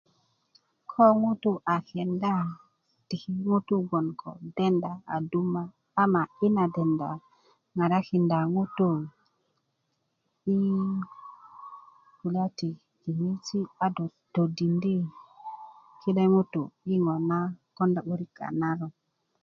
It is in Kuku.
ko ŋutu a kenda tiki ŋutu bgoŋ ko denda a duma ama i na denda ŋarakinda ŋutu i kulya ti konisi a todindi kine ŋutu i ŋo na konda 'börik a naron